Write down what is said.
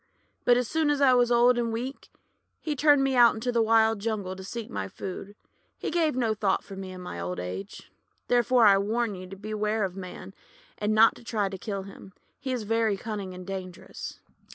But as soon as I was old and weak he turned me out into the wild jungle to seek my food. He gave no thought for me in my old age. "Therefore I warn you to beware of Man, and not to try to kill him. He is very cunning and dangerous."